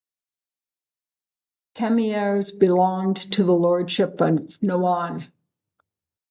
Camiers belonged to the Lordship of Noailles.